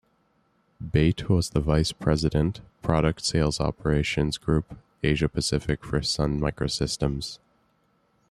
Bate was the Vice President, Product Sales Operations Group, Asia Pacific for Sun Microsystems.